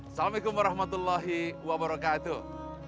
assalamualaikum warahmatullahi wabarakatuh